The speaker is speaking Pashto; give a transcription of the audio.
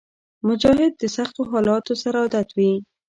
مجاهد د سختو حالاتو سره عادت وي.